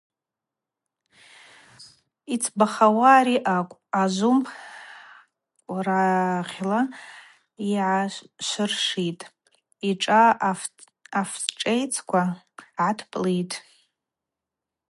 Йцбахауа ари акӏвпӏ: ажвумп къврагъла йгӏайыршвшвитӏ – йшӏа аф чӏвецква гӏатпӏлитӏ.